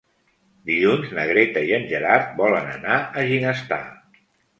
Dilluns na Greta i en Gerard volen anar a Ginestar.